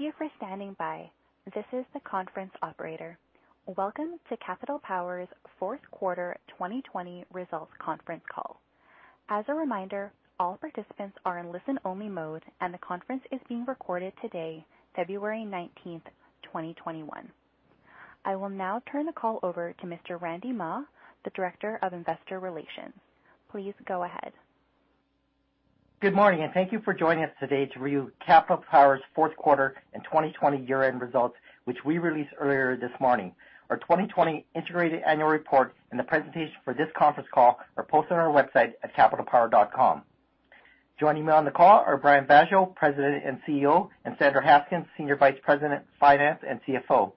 Thank you for standing by. This is the conference operator. Welcome to Capital Power's Fourth Quarter 2020 Results Conference Call. As a reminder, all participants are in listen-only mode, and the conference is being recorded today, February 19th, 2021. I will now turn the call over to Mr. Randy Mah, the Director of Investor Relations. Please go ahead. Good morning, and thank you for joining us today to review Capital Power's Fourth Quarter and 2020 Year-End Results, which we released earlier this morning. Our 2020 integrated annual report and the presentation for this conference call are posted on our website at capitalpower.com. Joining me on the call are Brian Vaasjo, President and CEO, Sandra Haskins, Senior Vice President, Finance and CFO.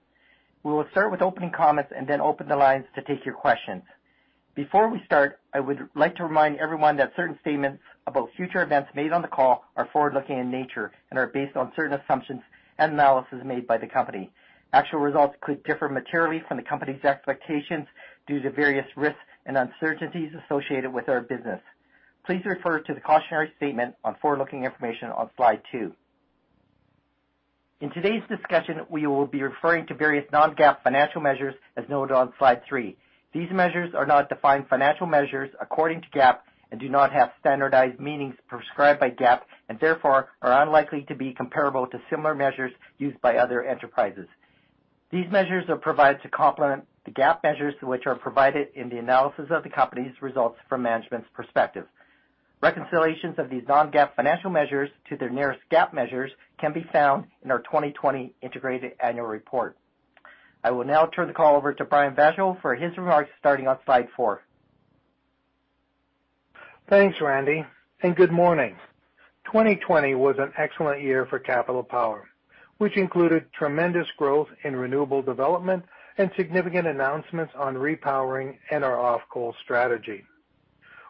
We will start with opening comments and then open the lines to take your questions. Before we start, I would like to remind everyone that certain statements about future events made on the call are forward-looking in nature and are based on certain assumptions and analysis made by the company. Actual results could differ materially from the company's expectations due to various risks and uncertainties associated with our business. Please refer to the cautionary statement on forward-looking information on slide two. In today's discussion, we will be referring to various non-GAAP financial measures as noted on slide three. These measures are not defined financial measures according to GAAP and do not have standardized meanings prescribed by GAAP and therefore are unlikely to be comparable to similar measures used by other enterprises. These measures are provided to complement the GAAP measures, which are provided in the analysis of the company's results from management's perspective. Reconciliations of these non-GAAP financial measures to their nearest GAAP measures can be found in our 2020 integrated annual report. I will now turn the call over to Brian Vaasjo for his remarks, starting on slide four. Thanks, Randy, and good morning. 2020 was an excellent year for Capital Power, which included tremendous growth in renewable development and significant announcements on repowering and our off-coal strategy.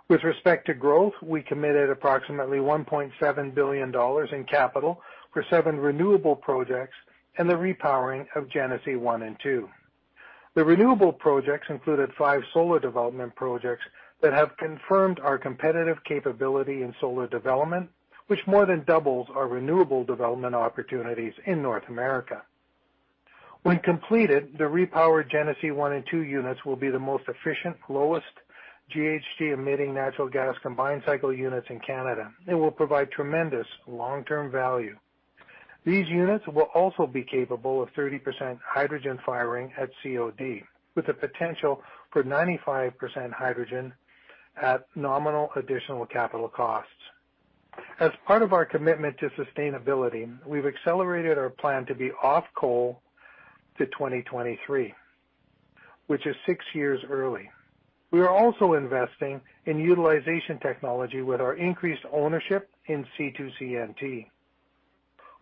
With respect to growth, we committed approximately 1.7 billion dollars in capital for seven renewable projects and the repowering of Genesee 1 and 2. The renewable projects included five solar development projects that have confirmed our competitive capability in solar development, which more than doubles our renewable development opportunities in North America. When completed, the repowered Genesee 1 and 2 units will be the most efficient, lowest GHG-emitting natural gas combined cycle units in Canada. They will provide tremendous long-term value. These units will also be capable of 30% hydrogen firing at COD, with the potential for 95% hydrogen at nominal additional capital costs. As part of our commitment to sustainability, we've accelerated our plan to be off coal to 2023, which is six years early. We are also investing in utilization technology with our increased ownership in C2CNT.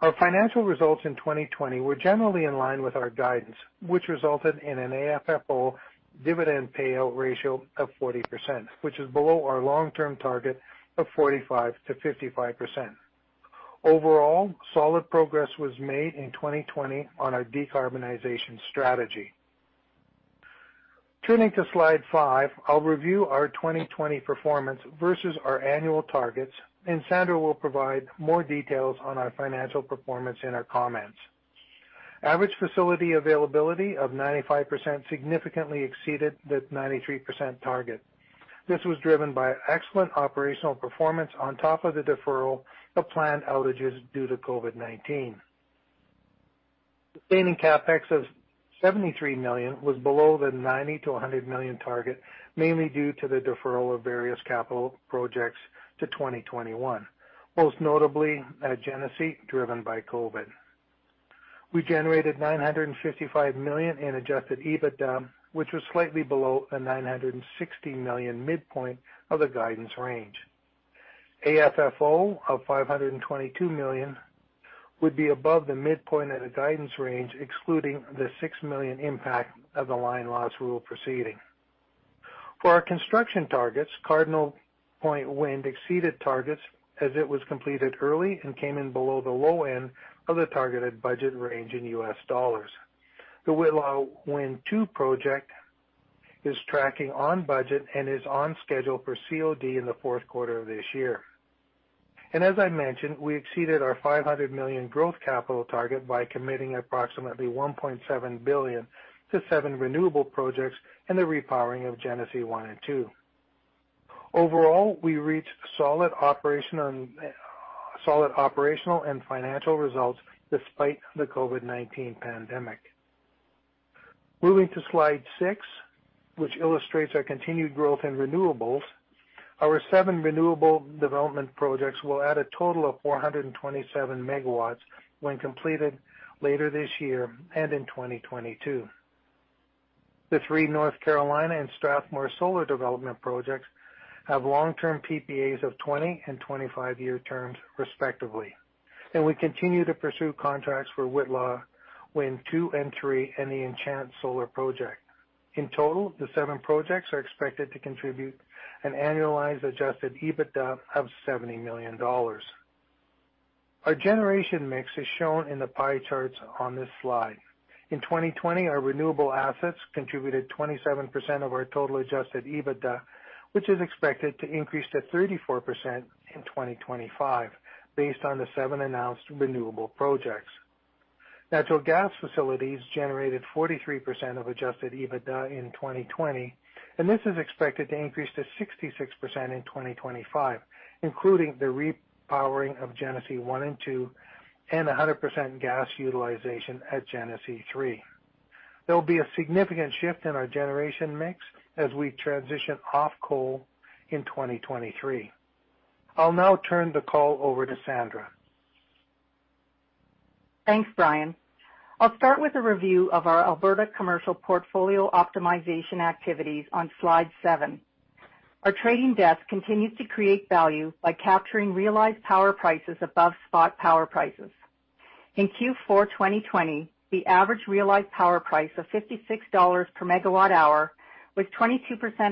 Our financial results in 2020 were generally in line with our guidance, which resulted in an AFFO dividend payout ratio of 40%, which is below our long-term target of 45%-55%. Overall, solid progress was made in 2020 on our decarbonization strategy. Turning to slide five, I'll review our 2020 performance versus our annual targets, and Sandra will provide more details on our financial performance in her comments. Average facility availability of 95% significantly exceeded the 93% target. This was driven by excellent operational performance on top of the deferral of planned outages due to COVID-19. Sustaining CapEx of 73 million was below the 90 million-100 million target, mainly due to the deferral of various capital projects to 2021, most notably at Genesee, driven by COVID. We generated 955 million in adjusted EBITDA, which was slightly below the 960 million midpoint of the guidance range. AFFO of 522 million would be above the midpoint of the guidance range, excluding the 6 million impact of the line loss rule proceeding. For our construction targets, Cardinal Point Wind exceeded targets as it was completed early and came in below the low end of the targeted budget range in U.S. dollars. The Whitla Wind 2 project is tracking on budget and is on schedule for COD in the fourth quarter of this year. As I mentioned, we exceeded our 500 million growth capital target by committing approximately 1.7 billion to seven renewable projects and the repowering of Genesee one and two. Overall, we reached solid operational and financial results despite the COVID-19 pandemic. Moving to slide six, which illustrates our continued growth in renewables. Our seven renewable development projects will add a total of 427 MW when completed later this year and in 2022. The three North Carolina and Strathmore solar development projects have long-term PPAs of 20- and 25-year terms, respectively. We continue to pursue contracts for Whitla Wind 2 and 3 and the Enchant solar project. In total, the seven projects are expected to contribute an annualized adjusted EBITDA of 70 million dollars. Our generation mix is shown in the pie charts on this slide. In 2020, our renewable assets contributed 27% of our total adjusted EBITDA, which is expected to increase to 34% in 2025, based on the seven announced renewable projects. Natural gas facilities generated 43% of adjusted EBITDA in 2020, and this is expected to increase to 66% in 2025, including the re-powering of Genesee 1 and 2, and 100% gas utilization at Genesee 3. There will be a significant shift in our generation mix as we transition off coal in 2023. I'll now turn the call over to Sandra. Thanks, Brian. I'll start with a review of our Alberta commercial portfolio optimization activities on slide seven. Our trading desk continues to create value by capturing realized power prices above spot power prices. In Q4 2020, the average realized power price of 56 dollars per megawatt hour was 22%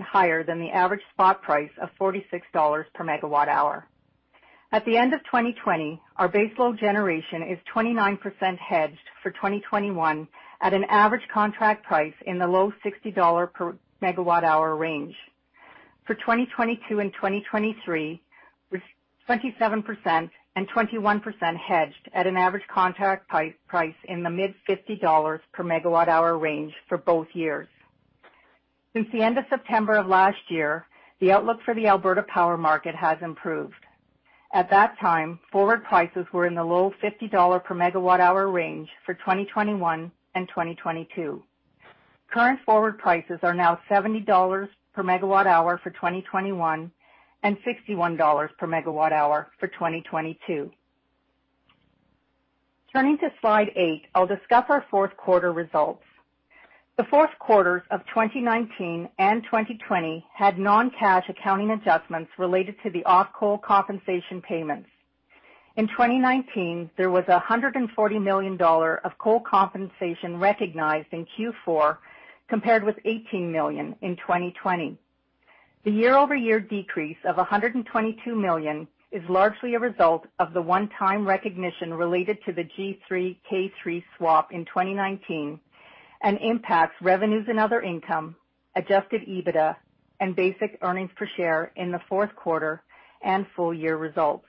higher than the average spot price of 46 dollars per megawatt hour. At the end of 2020, our base load generation is 29% hedged for 2021, at an average contract price in the low 60 dollar per megawatt hour range. For 2022 and 2023, with 27% and 21% hedged at an average contract price in the mid 50 per megawatt hour range for both years. Since the end of September of last year, the outlook for the Alberta power market has improved. At that time, forward prices were in the low CAD 50 per megawatt hour range for 2021 and 2022. Current forward prices are now 70 dollars per megawatt hour for 2021, and 61 dollars per megawatt hour for 2022. Turning to slide eight, I will discuss our fourth quarter results. The fourth quarters of 2019 and 2020 had non-cash accounting adjustments related to the off-coal compensation payments. In 2019, there was 140 million dollar of coal compensation recognized in Q4, compared with 18 million in 2020. The year-over-year decrease of 122 million is largely a result of the one-time recognition related to the G3, K3 swap in 2019 and impacts revenues and other income, adjusted EBITDA and basic earnings per share in the fourth quarter and full year results.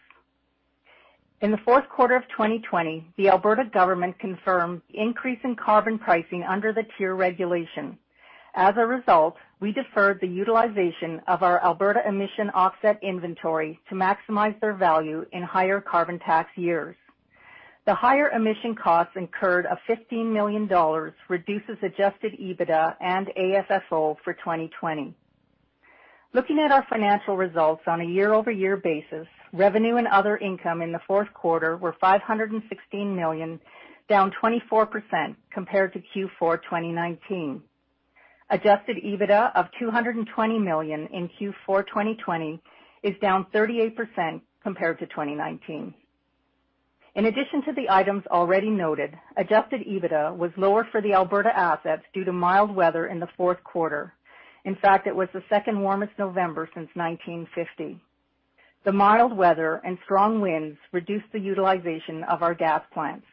In the fourth quarter of 2020, the Alberta government confirmed increase in carbon pricing under the TIER regulation. As a result, we deferred the utilization of our Alberta emission offset inventory to maximize their value in higher carbon tax years. The higher emission costs incurred of 15 million dollars reduces adjusted EBITDA and AFFO for 2020. Looking at our financial results on a year-over-year basis, revenue and other income in the fourth quarter were 516 million, down 24% compared to Q4 2019. Adjusted EBITDA of 220 million in Q4 2020 is down 38% compared to 2019. In addition to the items already noted, adjusted EBITDA was lower for the Alberta assets due to mild weather in the fourth quarter. In fact, it was the second warmest November since 1950. The mild weather and strong winds reduced the utilization of our gas plants.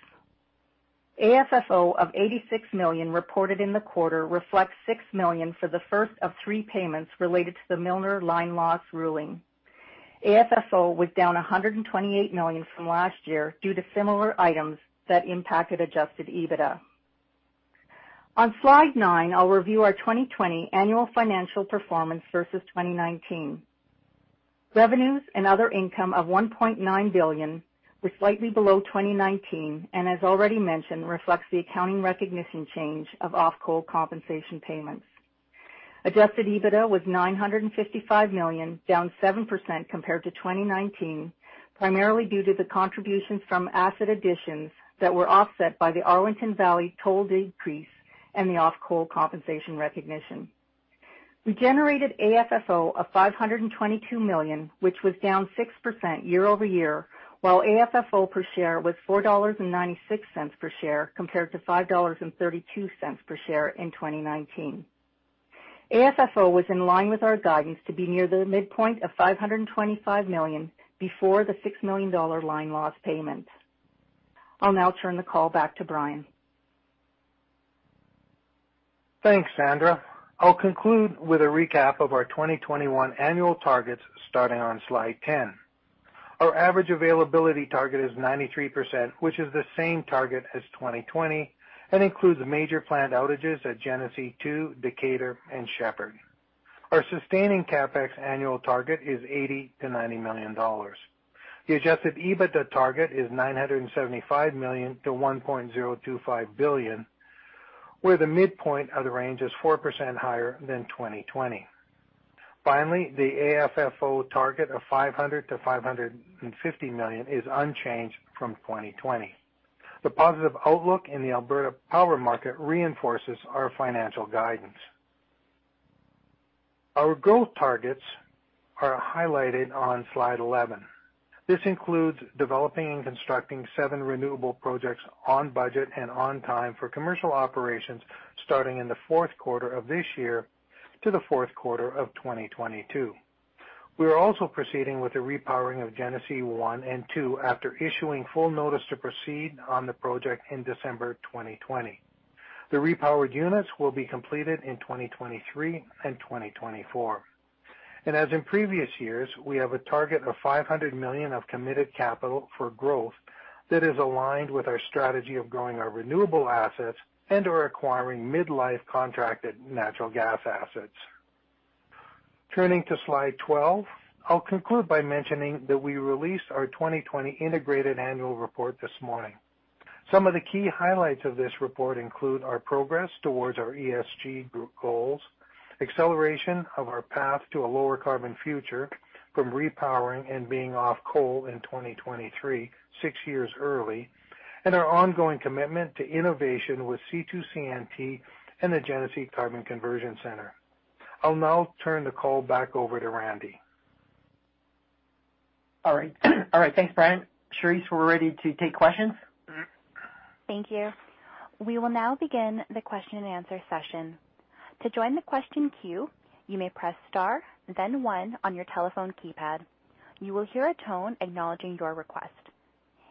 AFFO of 86 million reported in the quarter reflects 6 million for the first of three payments related to the Milner line loss ruling. AFFO was down 128 million from last year due to similar items that impacted adjusted EBITDA. On slide nine, I'll review our 2020 annual financial performance versus 2019. Revenues and other income of 1.9 billion were slightly below 2019, and as already mentioned, reflects the accounting recognition change of off-coal compensation payments. Adjusted EBITDA was 955 million, down 7% compared to 2019, primarily due to the contributions from asset additions that were offset by the Arlington Valley toll decrease and the off-coal compensation recognition. We generated AFFO of 522 million, which was down 6% year-over-year, while AFFO per share was 4.96 dollars per share compared to 5.32 dollars per share in 2019. AFFO was in line with our guidance to be near the midpoint of 525 million before the 6 million dollar line loss payment. I'll now turn the call back to Brian. Thanks, Sandra. I'll conclude with a recap of our 2021 annual targets starting on slide 10. Our average availability target is 93%, which is the same target as 2020, and includes major planned outages at Genesee 2, Decatur, and Shepard. Our sustaining CapEx annual target is 80 million-90 million dollars. The adjusted EBITDA target is 975 million-1.025 billion, where the midpoint of the range is 4% higher than 2020. Finally, the AFFO target of 500 million-550 million is unchanged from 2020. The positive outlook in the Alberta power market reinforces our financial guidance. Our growth targets are highlighted on slide 11. This includes developing and constructing seven renewable projects on budget and on time for commercial operations starting in the fourth quarter of this year to the fourth quarter of 2022. We are also proceeding with the repowering of Genesee 1 and 2 after issuing full notice to proceed on the project in December 2020. The repowered units will be completed in 2023 and 2024. As in previous years, we have a target of 500 million of committed capital for growth that is aligned with our strategy of growing our renewable assets and/or acquiring mid-life contracted natural gas assets. Turning to slide 12, I'll conclude by mentioning that we released our 2020 integrated annual report this morning. Some of the key highlights of this report include our progress towards our ESG group goals, acceleration of our path to a lower carbon future from repowering and being off coal in 2023, six years early, and our ongoing commitment to innovation with C2CNT and the Genesee Carbon Conversion Center. I'll now turn the call back over to Randy. All right. Thanks, Brian. Charisse, we're ready to take questions. Thank you. We will now begin the question and answer session. To join the question queue, you may press star then one on your telephone keypad. You will hear a tone acknowledging your request.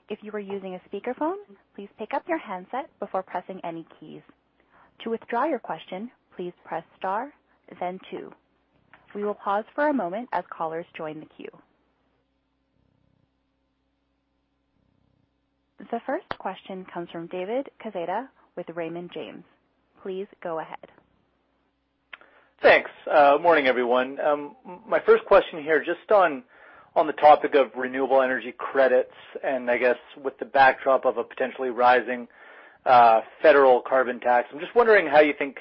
If you are using a speakerphone, please pick up your handset before pressing any keys. To withdraw your question, please press star then two. We will pause for a moment as callers join the queue. The first question comes from David Quezada with Raymond James. Please go ahead. Thanks. Morning, everyone. My first question here, just on the topic of renewable energy credits, and I guess with the backdrop of a potentially rising federal carbon tax. I'm just wondering how you think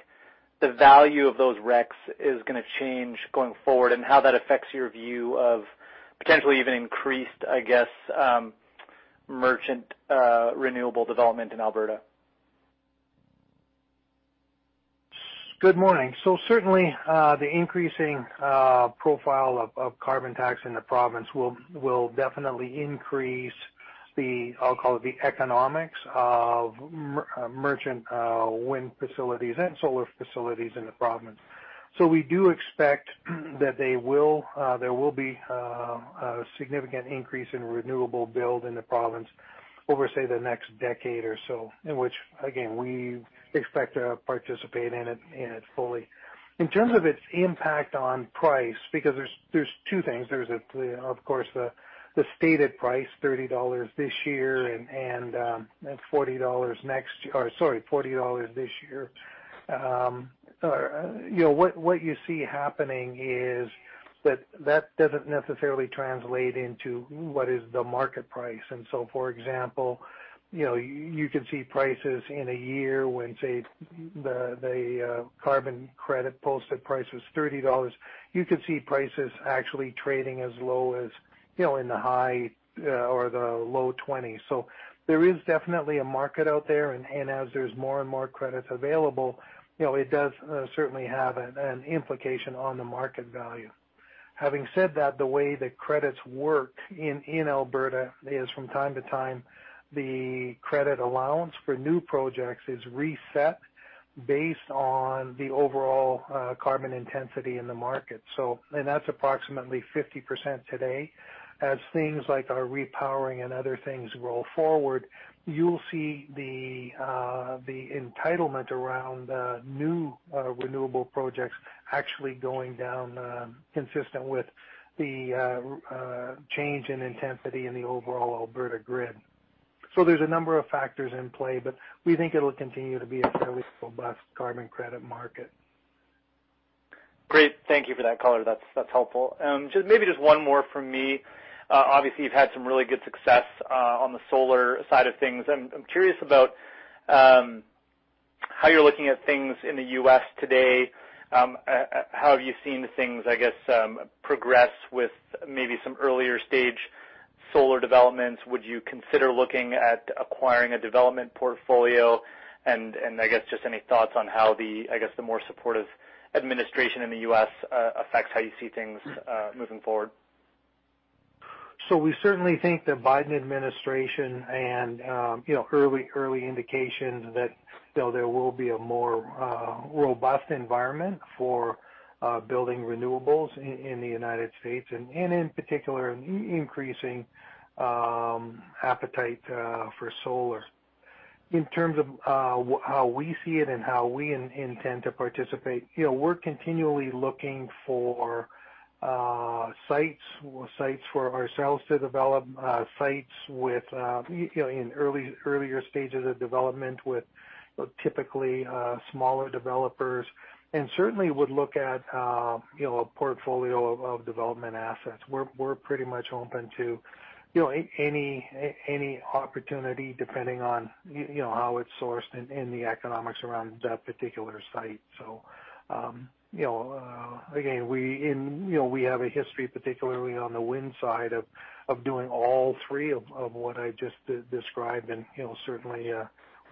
the value of those RECs is going to change going forward and how that affects your view of potentially even increased, I guess, merchant renewable development in Alberta. Good morning. Certainly, the increasing profile of carbon tax in the province will definitely increase the, I'll call it, the economics of merchant wind facilities and solar facilities in the province. We do expect that there will be a significant increase in renewable build in the province over, say, the next decade or so, in which, again, we expect to participate in it fully. In terms of its impact on price, because there's two things. There's, of course, the stated price, 30 dollars this year and 40 dollars next, or sorry, 40 dollars this year. What you see happening is that that doesn't necessarily translate into what is the market price. For example, you could see prices in a year when, say, the carbon credit posted price was 30 dollars, you could see prices actually trading as low as in the high or the low CAD 20s. There is definitely a market out there, and as there's more and more credits available, it does certainly have an implication on the market value. Having said that, the way the credits work in Alberta is from time to time, the credit allowance for new projects is reset based on the overall carbon intensity in the market. That's approximately 50% today. As things like our repowering and other things roll forward, you'll see the entitlement around new renewable projects actually going down, consistent with the change in intensity in the overall Alberta grid. There's a number of factors in play, but we think it'll continue to be a fairly robust carbon credit market. Great. Thank you for that color. That's helpful. Maybe just one more from me. Obviously, you've had some really good success on the solar side of things. I'm curious about how you're looking at things in the U.S. today. How have you seen things, I guess, progress with maybe some earlier-stage solar developments? Would you consider looking at acquiring a development portfolio? I guess, just any thoughts on how the more supportive administration in the U.S. affects how you see things moving forward? We certainly think the Biden administration and early indications that there will be a more robust environment for building renewables in the U.S. and, in particular, increasing appetite for solar. In terms of how we see it and how we intend to participate, we're continually looking for sites for ourselves to develop, sites in earlier stages of development with typically smaller developers and certainly would look at a portfolio of development assets. We're pretty much open to any opportunity depending on how it's sourced and the economics around that particular site. Again, we have a history, particularly on the wind side, of doing all three of what I just described and certainly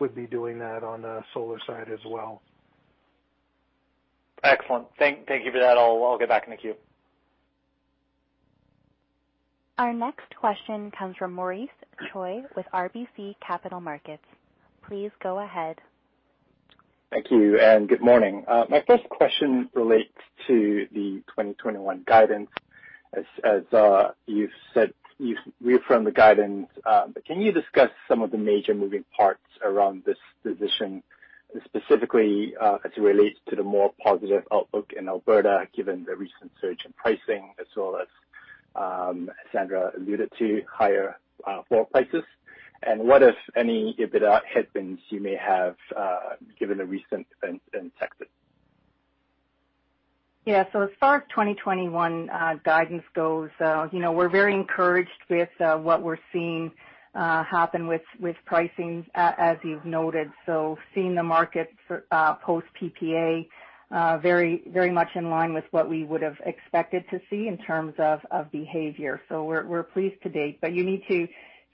would be doing that on the solar side as well. Excellent. Thank you for that. I'll get back in the queue. Our next question comes from Maurice Choy with RBC Capital Markets. Please go ahead. Thank you. Good morning. My first question relates to the 2021 guidance. As you've said, you've reaffirmed the guidance. Can you discuss some of the major moving parts around this position, specifically as it relates to the more positive outlook in Alberta, given the recent surge in pricing, as well as Sandra alluded to higher oil prices? What, if any, EBITDA headwinds you may have given the recent events in Texas? As far as 2021 guidance goes, we're very encouraged with what we're seeing happen with pricing, as you've noted. Seeing the market post PPA very much in line with what we would have expected to see in terms of behavior. We're pleased to date, but you need to,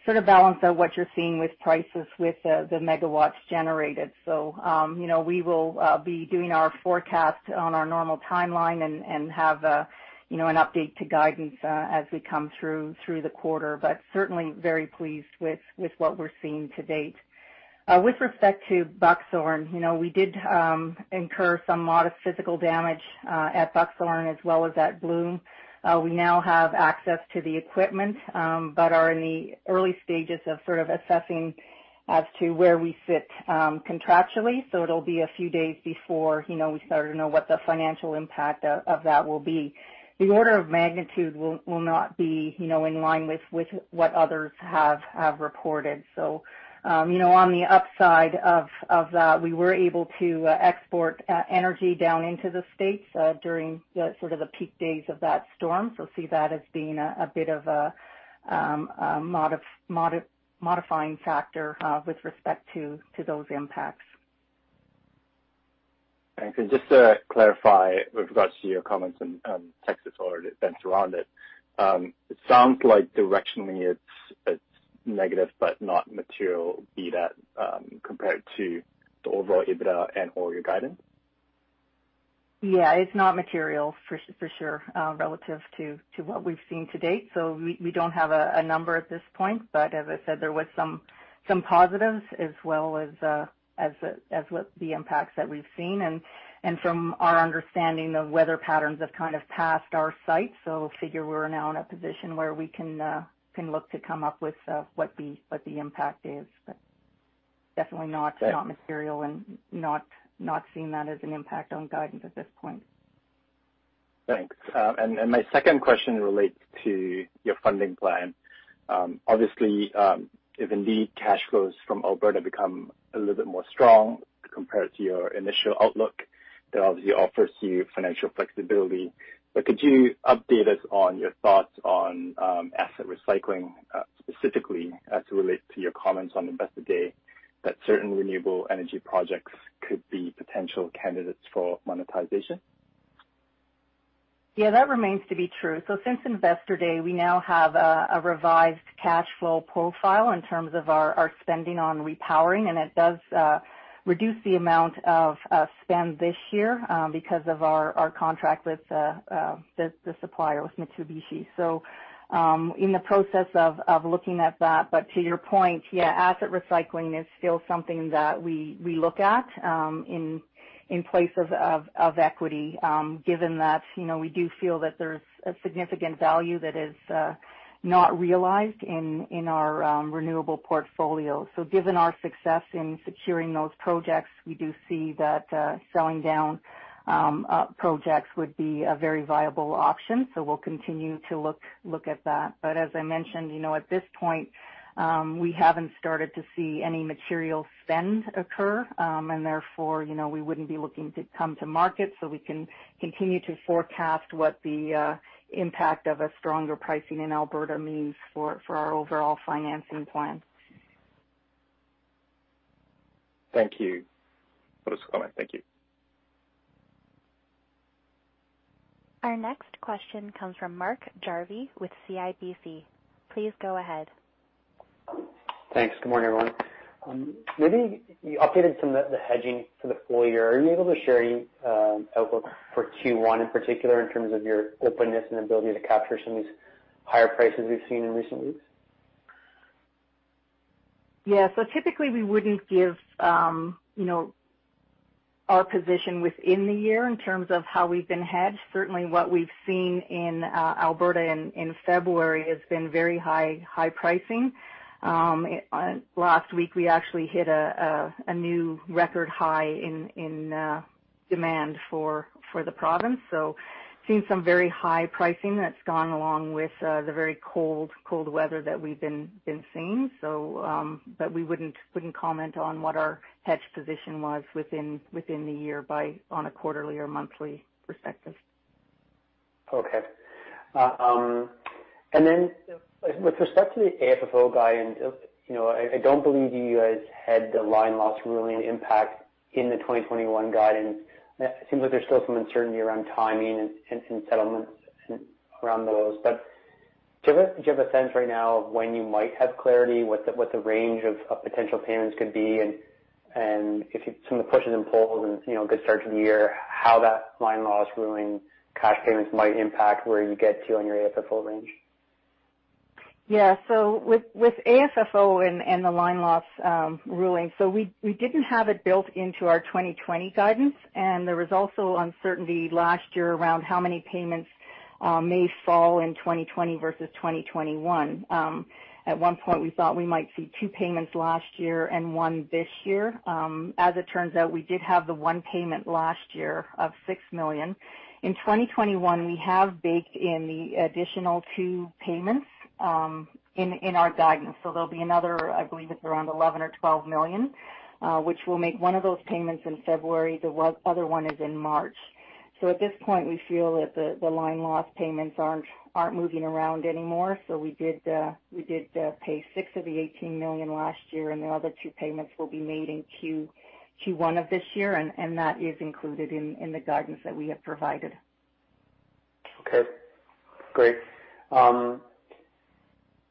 sort of, balance what you're seeing with prices with the megawatts generated. We will be doing our forecast on our normal timeline and have an update to guidance as we come through the quarter. Certainly, very pleased with what we're seeing to date. With respect to Buckthorn, we did incur some modest physical damage at Buckthorn as well as at Bloom. We now have access to the equipment but are in the early stages of sort of assessing as to where we sit contractually. It'll be a few days before we start to know what the financial impact of that will be. The order of magnitude will not be in line with what others have reported. On the upside of that, we were able to export energy `down into the U.S. during the sort of the peak days of that storm. See that as being a bit of a modifying factor with respect to those impacts. Thanks. Just to clarify with regards to your comments on Texas or the events around it. It sounds like directionally it's negative but not material, be that compared to the overall EBITDA and/or your guidance? Yeah, it's not material for sure relative to what we've seen to date. We don't have a number at this point, but as I said, there was some positives as well as with the impacts that we've seen. From our understanding, the weather patterns have kind of passed our site. Figure we're now in a position where we can look to come up with what the impact is. Definitely not material and not seeing that as an impact on guidance at this point. Thanks. My second question relates to your funding plan. Obviously, if indeed cash flows from Alberta become a little bit more strong compared to your initial outlook, that obviously offers you financial flexibility. Could you update us on your thoughts on asset recycling, specifically as it relates to your comments on Investor Day, that certain renewable energy projects could be potential candidates for monetization? Yeah, that remains to be true. Since Investor Day, we now have a revised cash flow profile in terms of our spending on repowering, and it does reduce the amount of spend this year, because of our contract with the supplier, with Mitsubishi, in the process of looking at that. To your point, yeah, asset recycling is still something that we look at in place of equity, given that we do feel that there's a significant value that is not realized in our renewable portfolio. Given our success in securing those projects, we do see that selling down projects would be a very viable option. We'll continue to look at that. As I mentioned, at this point, we haven't started to see any material spend occur. Therefore, we wouldn't be looking to come to market so we can continue to forecast what the impact of a stronger pricing in Alberta means for our overall financing plan. Thank you for this comment. Thank you. Our next question comes from Mark Jarvi with CIBC. Please go ahead. Thanks. Good morning, everyone. Maybe you updated some of the hedging for the full year? Are you able to share your outlook for Q1 in particular in terms of your openness and ability to capture some of these higher prices we've seen in recent weeks? Yeah. Typically, we wouldn't give our position within the year in terms of how we've been hedged. Certainly, what we've seen in Alberta in February has been very high pricing. Last week, we actually hit a new record high in demand for the province. Seeing some very high pricing that's gone along with the very cold weather that we've been seeing. We wouldn't comment on what our hedge position was within the year on a quarterly or monthly perspective. Okay. Then with respect to the AFFO guidance, I don't believe you guys had the line loss ruling impact in the 2021 guidance. It seems like there's still some uncertainty around timing and some settlements around those. Do you have a sense right now of when you might have clarity? What the range of potential payments could be and if some of the pushes and pulls and a good start to the year, how that line loss ruling cash payments might impact where you get to on your AFFO range? Yeah. With AFFO and the line loss ruling, we didn't have it built into our 2020 guidance, and there was also uncertainty last year around how many payments may fall in 2020 versus 2021. At one point, we thought we might see two payments last year and one this year. As it turns out, we did have the one payment last year of 6 million. In 2021, we have baked in the additional two payments in our guidance. There'll be another, I believe, it's around 11 or 12 million, which we'll make one of those payments in February. The other one is in March. At this point, we feel that the line loss payments aren't moving around anymore. We did pay 6 million of the 18 million last year, and the other two payments will be made in Q1 of this year, and that is included in the guidance that we have provided. Okay, great.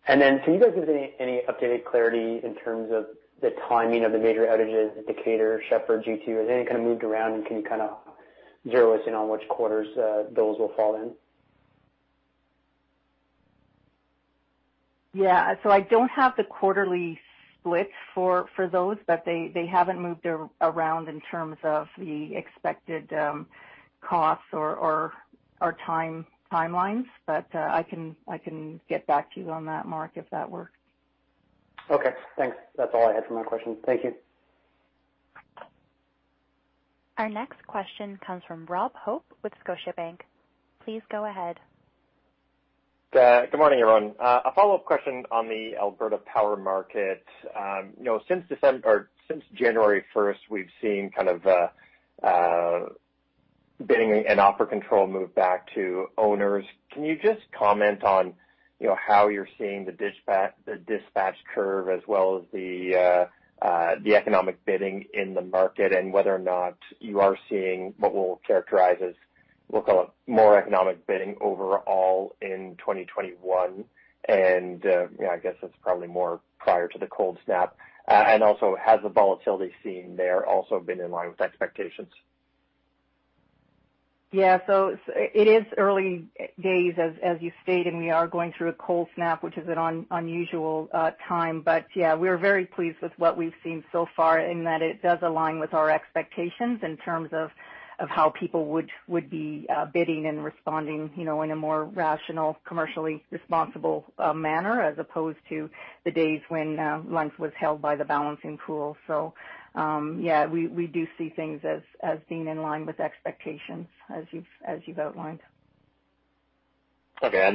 Can you guys give any updated clarity in terms of the timing of the major outages at Decatur, Shepard, G2? Has any kind of moved around, and can you kind of zero us in on which quarters those will fall in? Yeah. I don't have the quarterly split for those, they haven't moved around in terms of the expected costs or timelines. I can get back to you on that, Mark, if that works. Okay, thanks. That's all I had for my questions. Thank you. Our next question comes from Rob Hope with Scotiabank. Please go ahead. Good morning, everyone. A follow-up question on the Alberta power market. Since January 1st, we've seen kind of bidding and offer control move back to owners. Can you just comment on how you're seeing the dispatch curve as well as the economic bidding in the market and whether or not you are seeing what we'll characterize as we'll call it more economic bidding overall in 2021? I guess it's probably more prior to the cold snap. Also, has the volatility seen there also been in line with expectations? It is early days, as you stated. We are going through a cold snap, which is an unusual time. We're very pleased with what we've seen so far in that it does align with our expectations in terms of how people would be bidding and responding in a more rational, commercially responsible manner, as opposed to the days when length was held by the Balancing Pool. We do see things as being in line with expectations as you've outlined. Okay.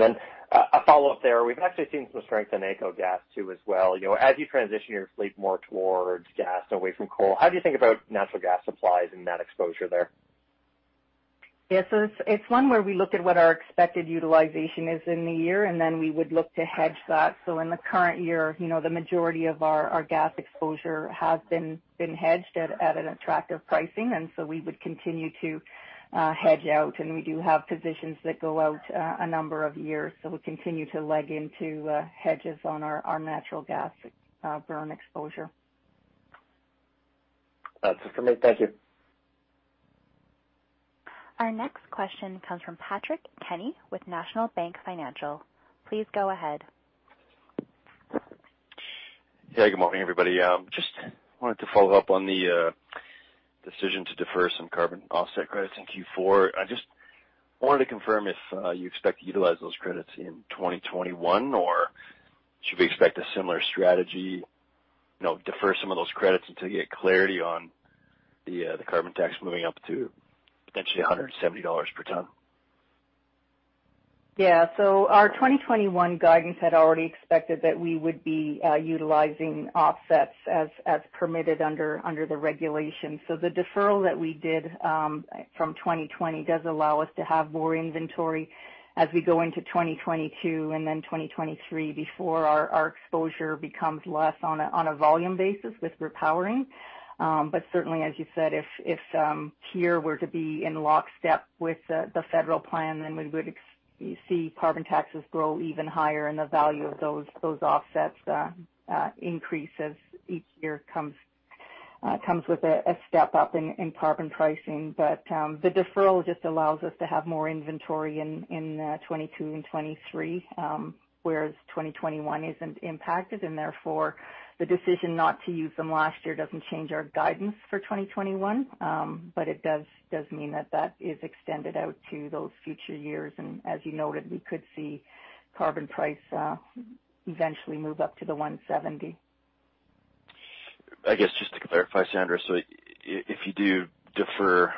A follow-up there. We've actually seen some strength in AECO Gas, too, as well. As you transition your fleet more towards gas and away from coal, how do you think about natural gas supplies and that exposure there? It's one where we look at what our expected utilization is in the year. We would look to hedge that. In the current year, the majority of our gas exposure has been hedged at an attractive pricing. We would continue to hedge out. We do have positions that go out a number of years. We continue to leg into hedges on our natural gas burn exposure. That's it for me. Thank you. Our next question comes from Patrick Kenny with National Bank Financial. Please go ahead. Yeah. Good morning, everybody. Just wanted to follow up on the decision to defer some carbon offset credits in Q4. I just wanted to confirm if you expect to utilize those credits in 2021, or should we expect a similar strategy, defer some of those credits until you get clarity on the carbon tax moving up to potentially 170 dollars per ton? Our 2021 guidance had already expected that we would be utilizing offsets as permitted under the regulation. The deferral that we did from 2020 does allow us to have more inventory as we go into 2022 and then 2023 before our exposure becomes less on a volume basis with repowering. Certainly, as you said, if here we're to be in lockstep with the federal plan, then we would see carbon taxes grow even higher and the value of those offsets increase as each year comes with a step-up in carbon pricing. The deferral just allows us to have more inventory in 2022 and 2023, whereas 2021 isn't impacted, and therefore, the decision not to use them last year doesn't change our guidance for 2021. It does mean that is extended out to those future years. As you noted, we could see carbon price eventually move up to 170. I guess, just to clarify, Sandra, if you do defer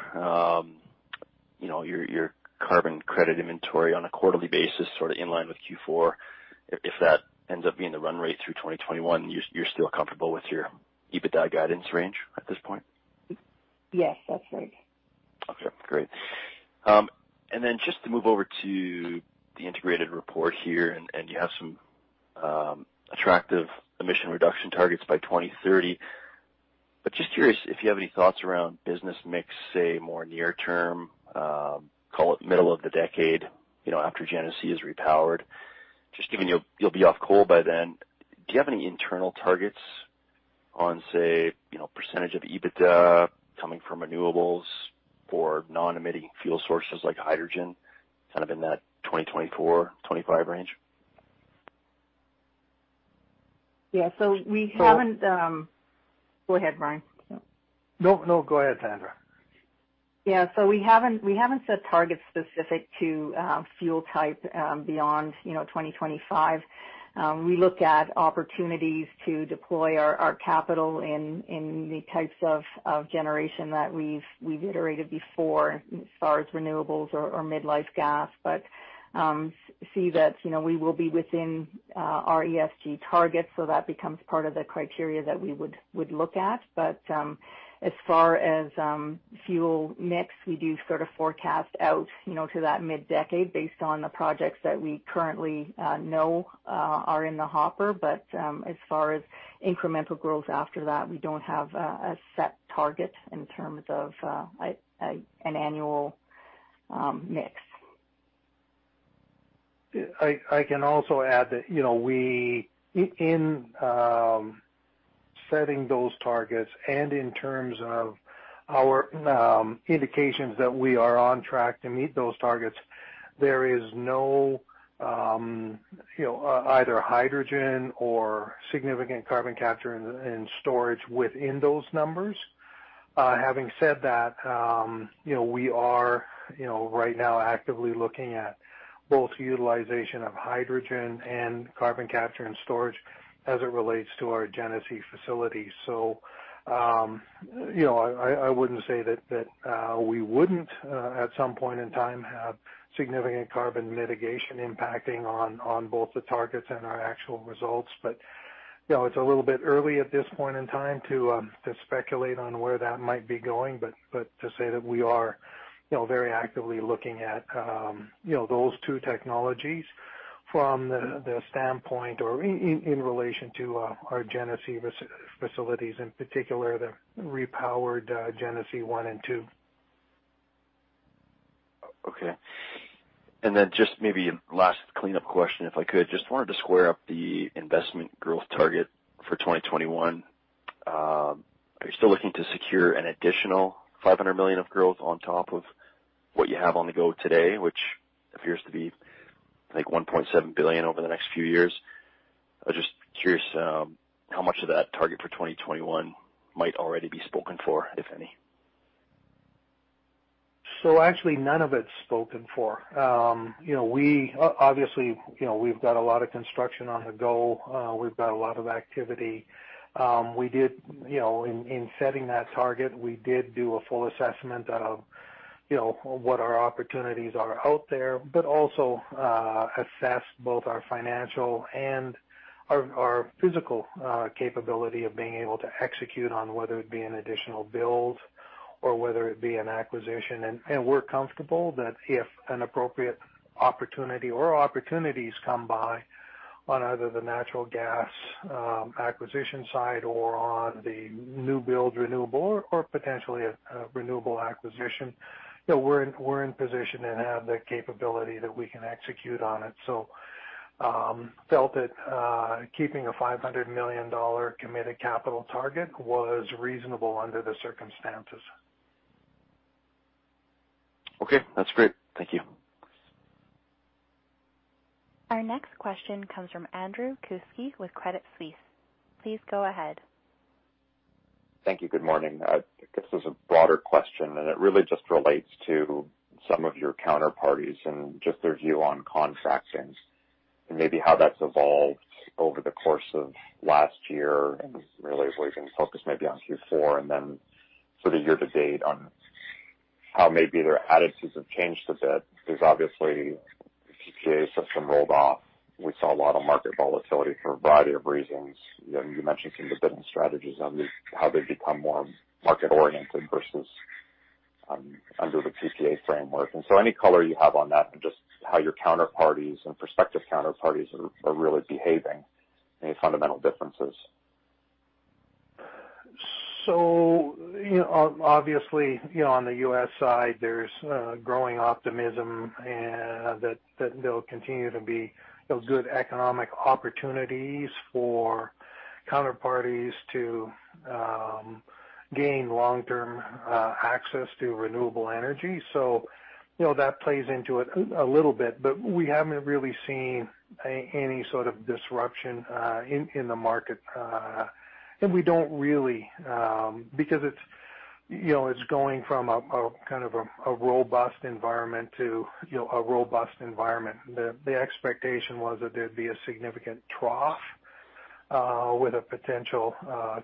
your carbon credit inventory on a quarterly basis, sort of in line with Q4, if that ends up being the run rate through 2021, you're still comfortable with your EBITDA guidance range at this point? Yes, that's right. Okay, great. Just to move over to the integrated report here, and you have some attractive emission reduction targets by 2030, but just curious if you have any thoughts around business mix, say, more near term, call it middle of the decade, after Genesee is repowered. Given you'll be off coal by then, do you have any internal targets on, say, percentage of EBITDA coming from renewables or non-emitting fuel sources like hydrogen, in that 2024, 2025 range? Yeah. Go ahead, Brian. No, go ahead, Sandra. Yeah. We haven't set targets specific to fuel type beyond 2025. We look at opportunities to deploy our capital in the types of generation that we've iterated before as far as renewables or midlife gas, but see that we will be within our ESG targets, so that becomes part of the criteria that we would look at. As far as fuel mix, we do sort of forecast out to that mid-decade based on the projects that we currently know are in the hopper. As far as incremental growth after that, we don't have a set target in terms of an annual mix. I can also add that in setting those targets and in terms of our indications that we are on track to meet those targets, there is no either hydrogen or significant carbon capture and storage within those numbers. Having said that, we are right now actively looking at both utilization of hydrogen and carbon capture and storage as it relates to our Genesee facilities. I wouldn't say that we wouldn't, at some point in time, have significant carbon mitigation impacting on both the targets and our actual results. It's a little bit early at this point in time to speculate on where that might be going. To say that we are very actively looking at those two technologies from the standpoint or in relation to our Genesee facilities, in particular, the repowered Genesee one and two. Okay. Just maybe a last cleanup question, if I could. Just wanted to square up the investment growth target for 2021. Are you still looking to secure an additional 500 million of growth on top of what you have on the go today, which appears to be like 1.7 billion over the next few years? I was just curious how much of that target for 2021 might already be spoken for, if any. Actually, none of it's spoken for. Obviously, we've got a lot of construction on the go. We've got a lot of activity. In setting that target, we did do a full assessment of what our opportunities are out there, but also assessed both our financial and our physical capability of being able to execute on whether it be an additional build or whether it be an acquisition. We're comfortable that if an appropriate opportunity or opportunities come by on either the natural gas acquisition side or on the new build renewable or potentially a renewable acquisition, we're in position and have the capability that we can execute on it. Felt that keeping a 500 million dollar committed capital target was reasonable under the circumstances. Okay, that's great. Thank you. Our next question comes from Andrew Kuske with Credit Suisse. Please go ahead. Thank you. Good morning. This is a broader question, and it really just relates to some of your counterparties and just their view on contracting and maybe how that's evolved over the course of last year. Really, if we can focus maybe on Q4 and then sort of year to date on how maybe their attitudes have changed a bit. Because obviously, the PPA system rolled off. We saw a lot of market volatility for a variety of reasons. You mentioned some of the bidding strategies and how they've become more market-oriented versus under the PPA framework. Any color you have on that and just how your counterparties and prospective counterparties are really behaving, any fundamental differences. Obviously, on the U.S. side, there's growing optimism that there'll continue to be good economic opportunities for counterparties to gain long-term access to renewable energy. That plays into it a little bit, but we haven't really seen any sort of disruption in the market. We don't really, because it's going from a kind of a robust environment to a robust environment. The expectation was that there'd be a significant trough with a potential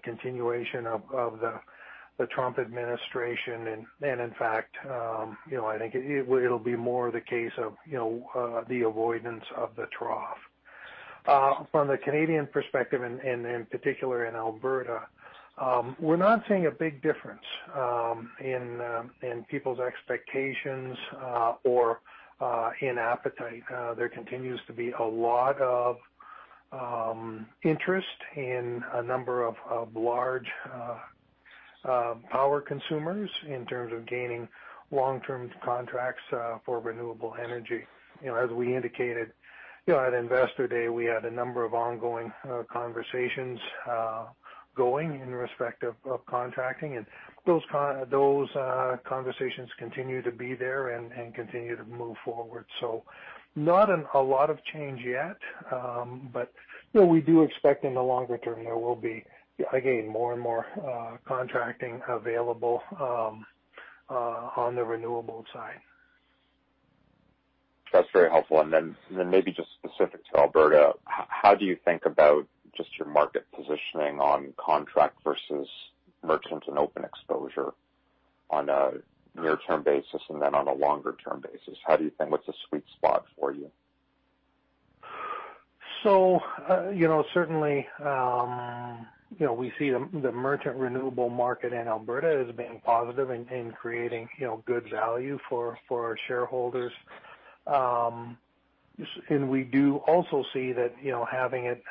continuation of the Trump administration. In fact, I think it'll be more the case of the avoidance of the trough. From the Canadian perspective, and in particular in Alberta, we're not seeing a big difference in people's expectations or in appetite. There continues to be a lot of interest in a number of large power consumers in terms of gaining long-term contracts for renewable energy. As we indicated at Investor Day, we had a number of ongoing conversations going in respect of contracting, and those conversations continue to be there and continue to move forward. Not a lot of change yet. We do expect in the longer term, there will be, again, more and more contracting available on the renewables side. That's very helpful. Maybe just specific to Alberta, how do you think about just your market positioning on contract versus merchant and open exposure on a near-term basis and then on a longer-term basis? What's the sweet spot for you? Certainly, we see the merchant renewable market in Alberta as being positive in creating good value for our shareholders. We do also see that having it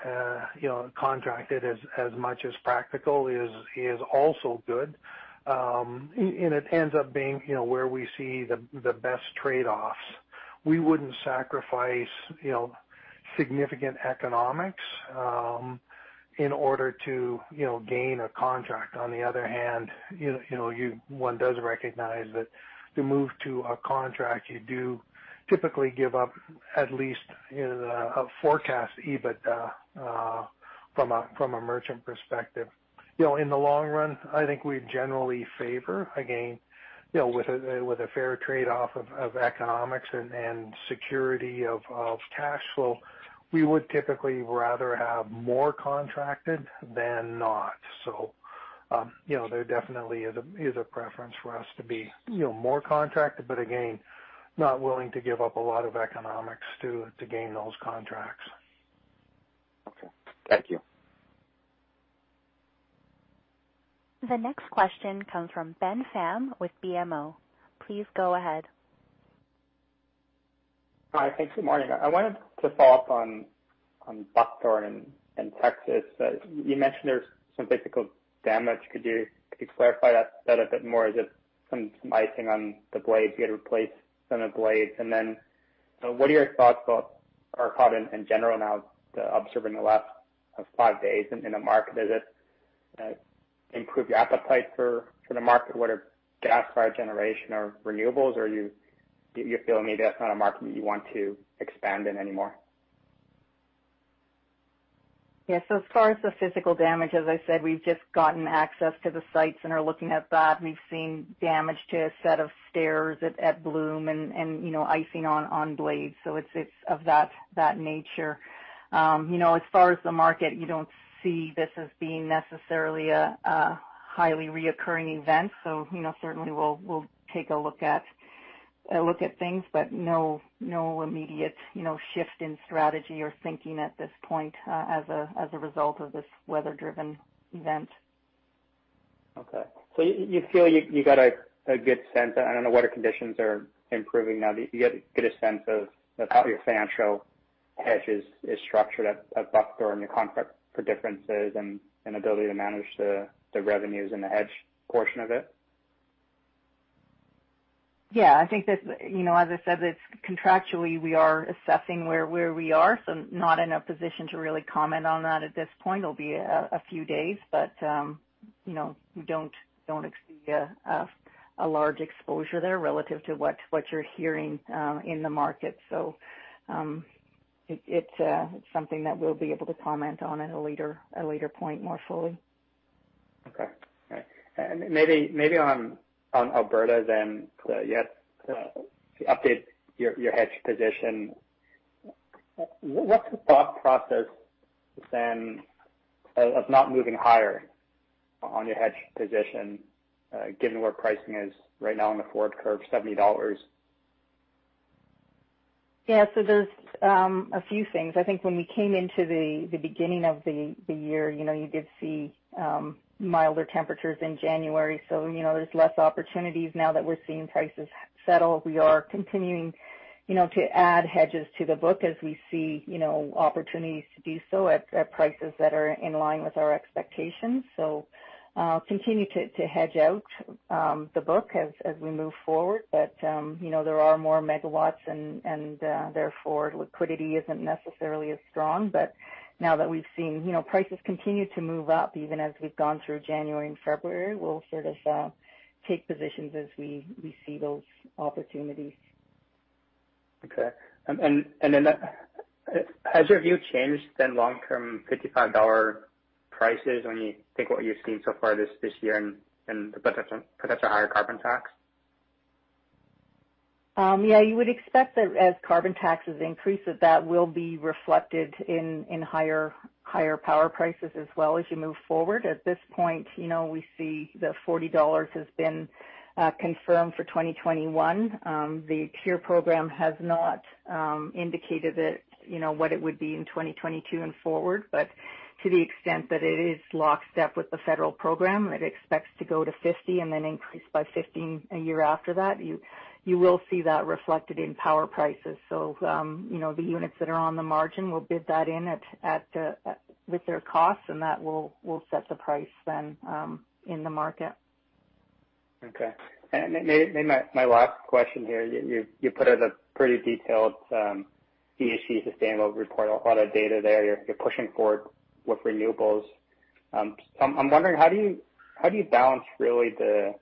contracted as much as practical is also good. It ends up being where we see the best trade-offs. We wouldn't sacrifice significant economics in order to gain a contract. On the other hand, one does recognize that to move to a contract, you do typically give up at least a forecast EBITDA from a merchant perspective. In the long run, I think we generally favor, again, with a fair trade-off of economics and security of cash flow. We would typically rather have more contracted than not. There definitely is a preference for us to be more contracted, but again, not willing to give up a lot of economics to gain those contracts. Okay. Thank you. The next question comes from Ben Pham with BMO. Please go ahead. Hi. Thanks. Good morning. I wanted to follow up on Buckthorn in Texas. You mentioned there's some physical damage. Could you clarify that a bit more? Is it some icing on the blades you had to replace on the blades? What are your thoughts in general now observing the last five days in the market? Does it improve your appetite for the market, whether gas-fired generation or renewables? Do you feel maybe that's not a market that you want to expand in anymore? Yeah. As far as the physical damage, as I said, we've just gotten access to the sites and are looking at that. We've seen damage to a set of stairs at Bloom and icing on blades. It's of that nature. As far as the market, you don't see this as being necessarily a highly reoccurring event. Certainly, we'll take a look at things, but no immediate shift in strategy or thinking at this point as a result of this weather-driven event. Okay. You got a good sense, I don't know what conditions are improving now. Do you get a good sense of how your financial hedge is structured at Buckthorn, your contract for differences and ability to manage the revenues and the hedge portion of it? Yeah. I think as I said, contractually, we are assessing where we are. Not in a position to really comment on that at this point. It'll be a few days, we don't see a large exposure there relative to what you're hearing in the market. It's something that we'll be able to comment on at a later point more fully. Okay. All right. Maybe on Alberta, to update your hedge position. What's the thought process then of not moving higher on your hedge position given where pricing is right now on the forward curve, 70 dollars? Yeah. There's a few things. I think when we came into the beginning of the year, you did see milder temperatures in January. There's less opportunities now that we're seeing prices settle. We are continuing to add hedges to the book as we see opportunities to do so at prices that are in line with our expectations. Continue to hedge out the book as we move forward. There are more megawatts and therefore liquidity isn't necessarily as strong. Now that we've seen prices continue to move up, even as we've gone through January and February, we'll sort of take positions as we see those opportunities. Okay. Then has your view changed then long-term CAD 55 prices when you take what you've seen so far this year and put that to a higher carbon tax? Yeah, you would expect that as carbon taxes increase, that will be reflected in higher power prices as well as you move forward. At this point, we see the 40 dollars has been confirmed for 2021. The TIER program has not indicated what it would be in 2022 and forward, but to the extent that it is lockstep with the federal program, it expects to go to 50 and then increase by 15 a year after that. You will see that reflected in power prices. The units that are on the margin will bid that in with their costs, and that will set the price then in the market. Okay. Maybe my last question here. You put out a pretty detailed ESG sustainable report, a lot of data there. You're pushing forward with renewables. I'm wondering, how do you balance really the,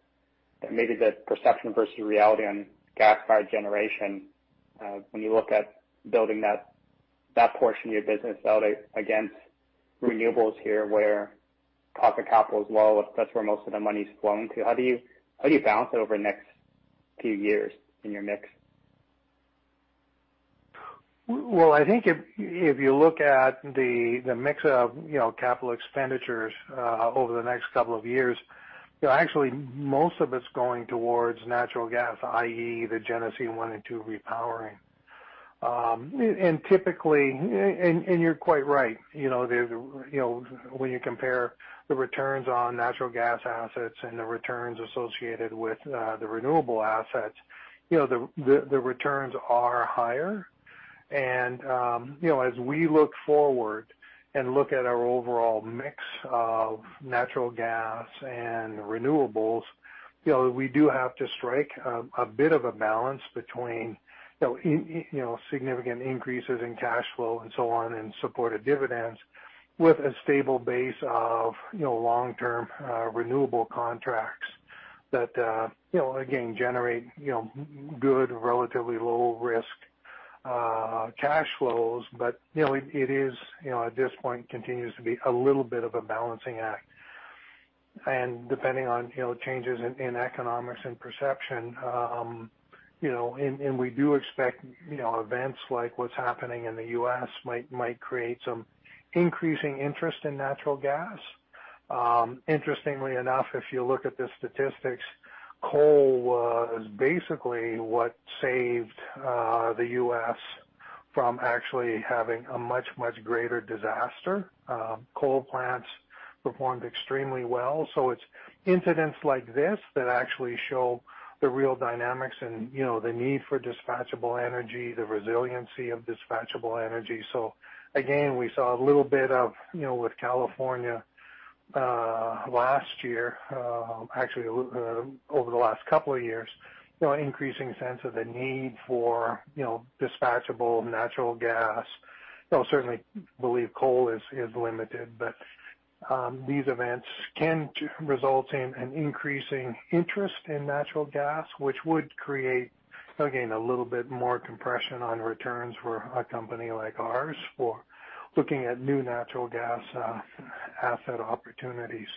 maybe the perception versus reality on gas-fired generation, when you look at building that portion of your business out against renewables here where cost of capital is low, that's where most of the money's flowing to. How do you balance it over the next few years in your mix? Well, I think if you look at the mix of CapEx over the next couple of years, actually most of it's going towards natural gas, i.e., the Genesee 1 and 2 repowering. You're quite right. When you compare the returns on natural gas assets and the returns associated with the renewable assets, the returns are higher. As we look forward and look at our overall mix of natural gas and renewables, we do have to strike a bit of a balance between significant increases in cash flow and so on in support of dividends with a stable base of long-term renewable contracts that, again, generate good, relatively low-risk cash flows. It is, at this point, continues to be a little bit of a balancing act, depending on changes in economics and perception. We do expect events like what's happening in the U.S. might create some increasing interest in natural gas. Interestingly enough, if you look at the statistics, coal was basically what saved the U.S. from actually having a much greater disaster. Coal plants performed extremely well. It's incidents like this that actually show the real dynamics and the need for dispatchable energy, the resiliency of dispatchable energy. Again, we saw a little bit of, with California, last year, actually over the last couple of years, increasing sense of the need for dispatchable natural gas. Certainly believe coal is limited. These events can result in an increasing interest in natural gas, which would create, again, a little bit more compression on returns for a company like ours for looking at new natural gas asset opportunities.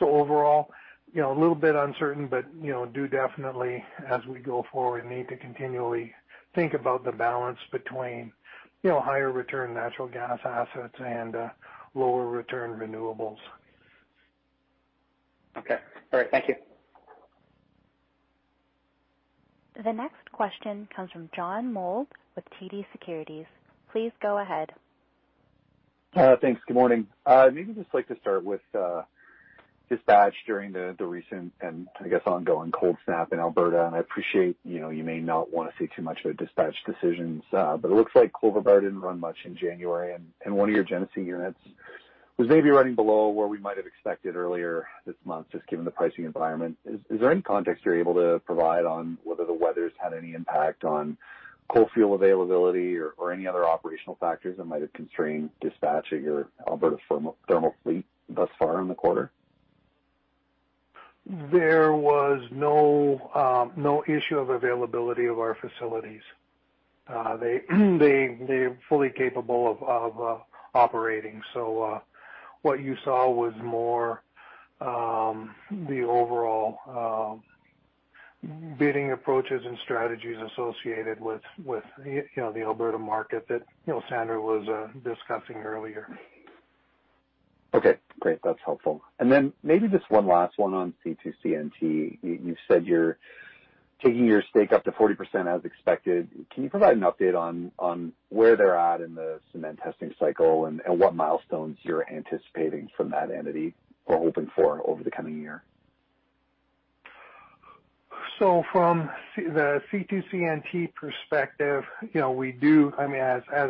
Overall, a little bit uncertain, but do definitely, as we go forward, need to continually think about the balance between higher return natural gas assets and lower return renewables. Okay. All right. Thank you. The next question comes from John Mould with TD Securities. Please go ahead. Thanks. Good morning. Maybe just like to start with dispatch during the recent and I guess ongoing cold snap in Alberta, and I appreciate you may not want to say too much about dispatch decisions. It looks like Clover Bar didn't run much in January, and one of your Genesee units was maybe running below where we might have expected earlier this month, just given the pricing environment. Is there any context you're able to provide on whether the weather's had any impact on coal fuel availability or any other operational factors that might have constrained dispatch at your Alberta thermal fleet thus far in the quarter? There was no issue of availability of our facilities. They're fully capable of operating. What you saw was more the overall bidding approaches and strategies associated with the Alberta market that Sandra was discussing earlier. Okay, great. That's helpful. Maybe just one last one on C2CNT. You said you're taking your stake up to 40% as expected. Can you provide an update on where they're at in the cement testing cycle and what milestones you're anticipating from that entity or hoping for over the coming year? From the C2CNT perspective, as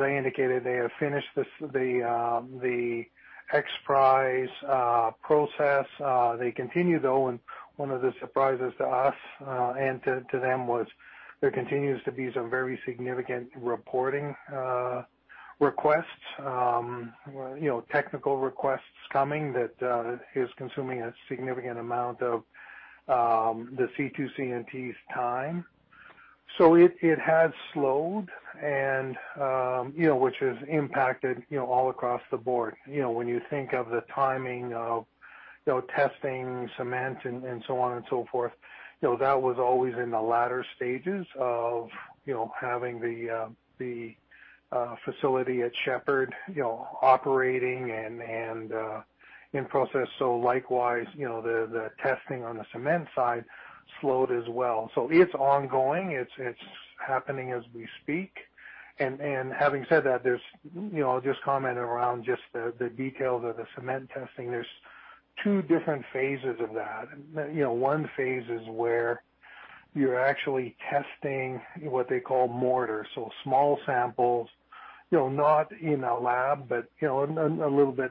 I indicated, they have finished the XPRIZE process. They continue, though, and one of the surprises to us and to them was there continues to be some very significant reporting requests, technical requests coming that is consuming a significant amount of the C2CNT's time. It has slowed and which has impacted all across the board. When you think of the timing of testing cement and so on and so forth, that was always in the latter stages of having the facility at Shepard operating and in process. Likewise, the testing on the cement side slowed as well. It's ongoing. It's happening as we speak. Having said that, I'll just comment around just the details of the cement testing. There's two different phases of that. One phase is where you're actually testing what they call mortar, so small samples, not in a lab, but a little bit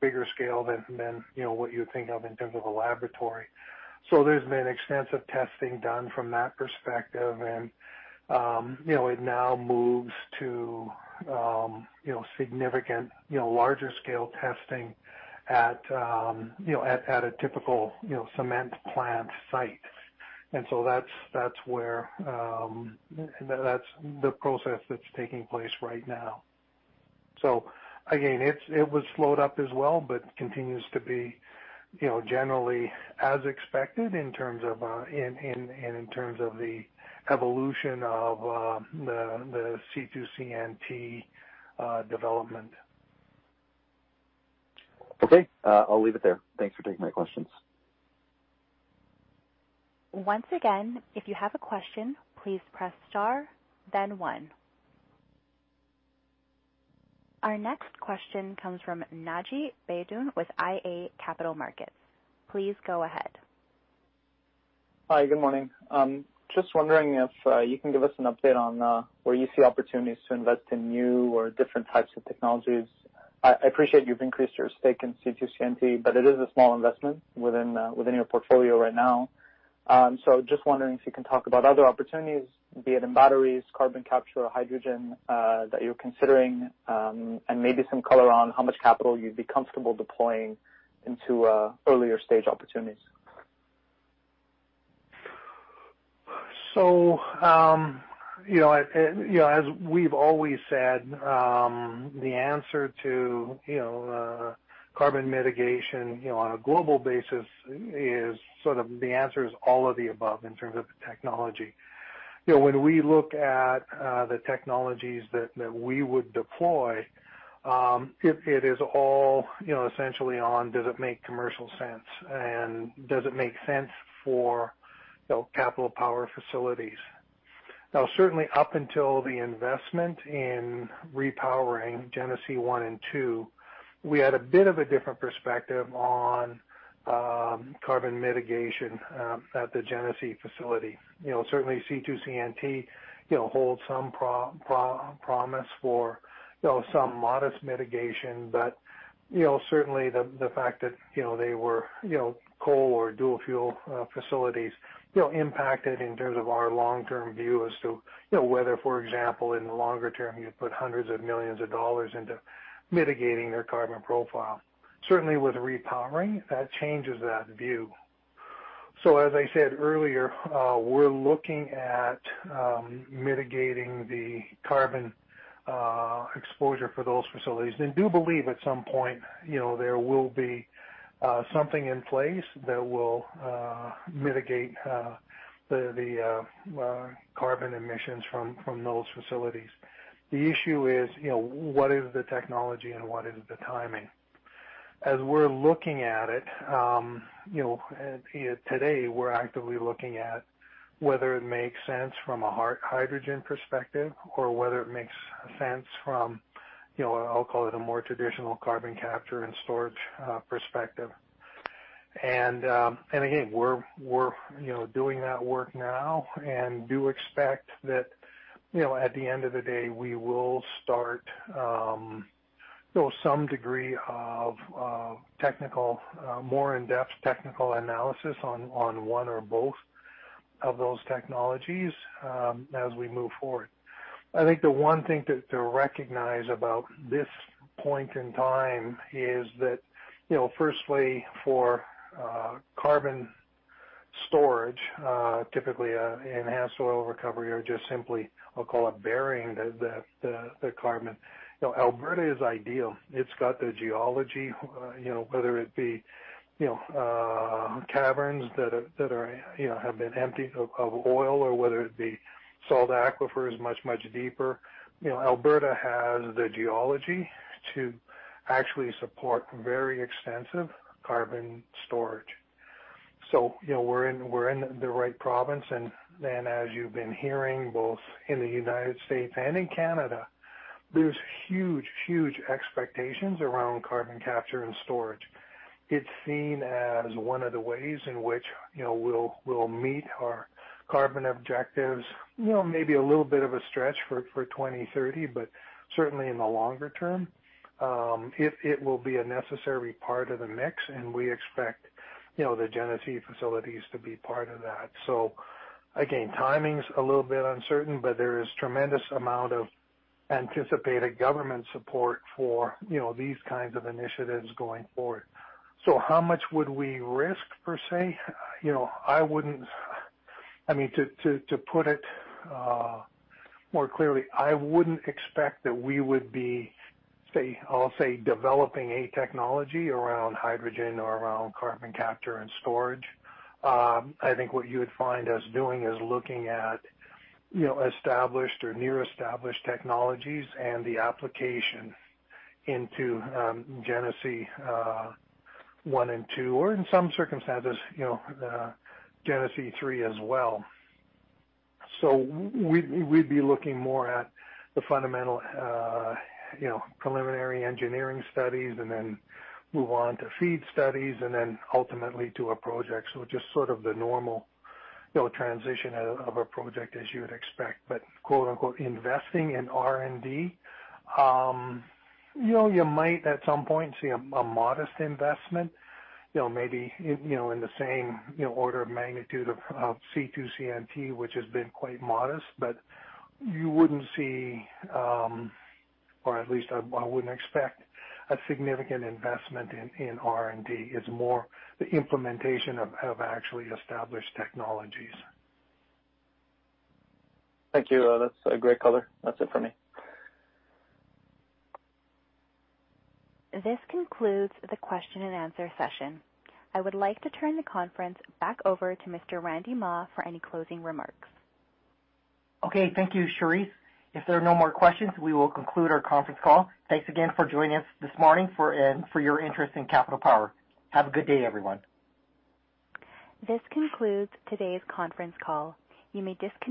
bigger scale than what you would think of in terms of a laboratory. There's been extensive testing done from that perspective, and it now moves to significant, larger scale testing at a typical cement plant site. That's the process that's taking place right now. Again, it was slowed up as well, but continues to be generally as expected in terms of the evolution of the C2CNT development. Okay. I'll leave it there. Thanks for taking my questions. Once again, if you have a question, please press star then one. Our next question comes from Naji Baydoun with iA Capital Markets. Please go ahead. Hi, good morning. Just wondering if you can give us an update on where you see opportunities to invest in new or different types of technologies. I appreciate you've increased your stake in C2CNT, but it is a small investment within your portfolio right now. Just wondering if you can talk about other opportunities, be it in batteries, carbon capture, or hydrogen, that you're considering, and maybe some color on how much capital you'd be comfortable deploying into earlier-stage opportunities. As we've always said, the answer to carbon mitigation on a global basis is sort of the answer is all of the above in terms of the technology. When we look at the technologies that we would deploy, it is all essentially on does it make commercial sense, and does it make sense for Capital Power facilities? Certainly, up until the investment in repowering Genesee 1 and 2, we had a bit of a different perspective on carbon mitigation at the Genesee facility. Certainly, C2CNT holds some promise for some modest mitigation. Certainly, the fact that they were coal or dual-fuel facilities impacted in terms of our long-term view as to whether, for example, in the longer term, you put hundreds of millions of dollars into mitigating their carbon profile. With repowering, that changes that view. As I said earlier, we're looking at mitigating the carbon exposure for those facilities and do believe at some point there will be something in place that will mitigate the carbon emissions from those facilities. The issue is what is the technology and what is the timing? As we're looking at it today, we're actively looking at whether it makes sense from a hydrogen perspective or whether it makes sense from, I'll call it a more traditional carbon capture and storage perspective. Again, we're doing that work now and do expect that at the end of the day, we will start some degree of more in-depth technical analysis on one or both of those technologies as we move forward. I think the one thing to recognize about this point in time is that firstly, for carbon storage, typically enhanced oil recovery or just simply I'll call it burying the carbon. Alberta is ideal. It's got the geology, whether it be caverns that have been emptied of oil or whether it be salt aquifers much, much deeper. Alberta has the geology to actually support very extensive carbon storage. We're in the right province, and as you've been hearing, both in the United States and in Canada, there's huge expectations around carbon capture and storage. It's seen as one of the ways in which we'll meet our carbon objectives. Maybe a little bit of a stretch for 2030, but certainly in the longer term, it will be a necessary part of the mix, and we expect the Genesee Facilities to be part of that. Again, timing's a little bit uncertain, but there is tremendous amount of anticipated government support for these kinds of initiatives going forward. How much would we risk, per se? To put it more clearly, I wouldn't expect that we would be, I'll say, developing a technology around hydrogen or around carbon capture and storage. I think what you would find us doing is looking at established or near established technologies and the application into Genesee 1 and 2, or in some circumstances, Genesee 3 as well. We'd be looking more at the fundamental preliminary engineering studies and then move on to FEED studies and then ultimately to a project. Just sort of the normal transition of a project as you would expect. Quote unquote, "Investing in R&D," you might at some point see a modest investment, maybe in the same order of magnitude of C2CNT, which has been quite modest, but you wouldn't see or at least I wouldn't expect a significant investment in R&D. It's more the implementation of actually established technologies. Thank you. That's a great color. That's it for me. This concludes the question-and-answer session. I would like to turn the conference back over to Mr. Randy Mah for any closing remarks. Okay. Thank you, Charisse. If there are no more questions, we will conclude our conference call. Thanks again for joining us this morning, and for your interest in Capital Power. Have a good day, everyone. This concludes today's conference call. You may disconnect.